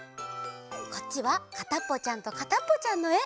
こっちは「かたっぽちゃんとかたっぽちゃん」のえ！